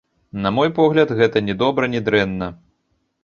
На мой погляд, гэта ні добра, ні дрэнна.